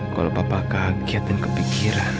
kalo papa kaget dan kepikiran